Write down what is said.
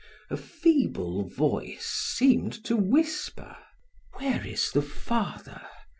A feeble voice seemed to whisper: "Where is the father?